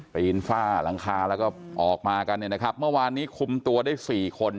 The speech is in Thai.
ปีนฝ้าหลังคาแล้วก็ออกมากันเนี่ยนะครับเมื่อวานนี้คุมตัวได้สี่คน